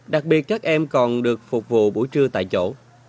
đặc biệt các em còn được phục vụ buổi trưa tại chỗ